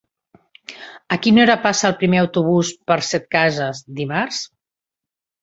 A quina hora passa el primer autobús per Setcases dimarts?